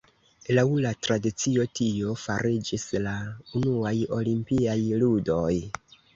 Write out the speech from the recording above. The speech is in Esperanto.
Laŭ la tradicio, tio fariĝis la unuaj olimpiaj ludoj.